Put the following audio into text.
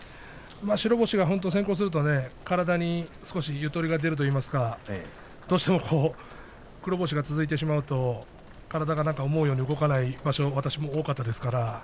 白星が先行すると体に少しゆとりが出るといいますかどうしても黒星が続いてしまうと体が思うように動かない場所が私も多かったですから。